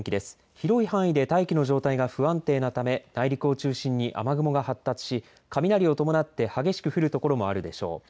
広い範囲で大気の状態が不安定なため内陸を中心に雨雲が発達し雷を伴って激しく降る所もあるでしょう。